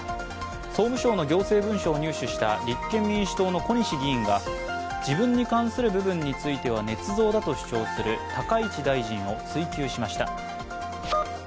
総務省の行政文書を入手した立憲民主党の小西議員が自分に関する部分についてはねつ造だと主張する高市大臣を追及しました。